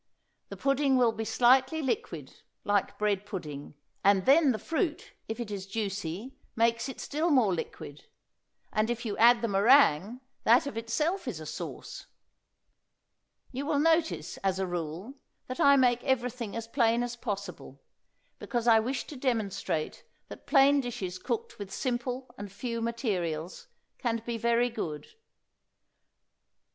The pudding will be slightly liquid, like bread pudding, and then the fruit, if it is juicy, makes it still more liquid, and if you add the meringue, that of itself is a sauce. You will notice, as a rule, that I make everything as plain as possible, because I wish to demonstrate that plain dishes cooked with simple and few materials, can be very good.